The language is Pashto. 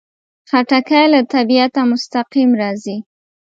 خټکی له طبیعته مستقیم راځي.